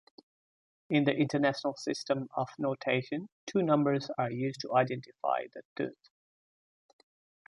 In the international system of notation two numbers are used to identify the tooth.